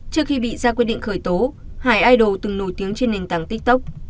trước khi bị ra quyết định khởi tố hải idol từng nổi tiếng trên nền tảng tiktok